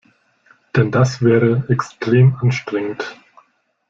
Denn das wäre extrem anstrengend.